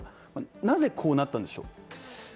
なぜこうなったんでしょう。